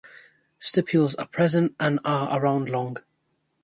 Stipules are present and are around long.